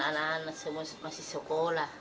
karena anak anak masih sekolah